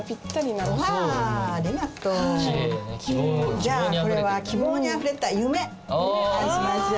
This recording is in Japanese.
じゃあこれは「希望にあふれた夢」と題しましょう。